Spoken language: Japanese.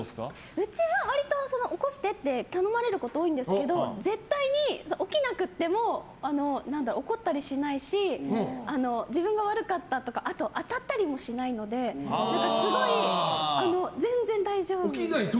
うちは割と起こしてって頼まれること多いんですけど絶対に起きなくても怒ったりしないし自分が悪かったとかあと、当たったりもしないのですごい全然大丈夫です。